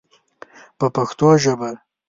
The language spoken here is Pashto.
په پښتو ژبه.